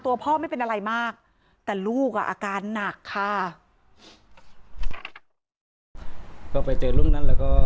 พ่อไม่เป็นอะไรมากแต่ลูกอ่ะอาการหนักค่ะ